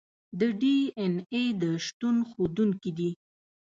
د ډي این اې د شتون ښودونکي دي.